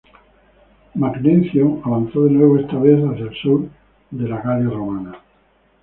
Magnencio avanzó de nuevo, esta vez hacia el sur de la Galia romana.